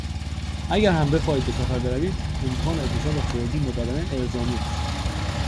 اگر هم بخواهید به سفر بروید، امکان اتصال خورجین به بدنه الزامی است.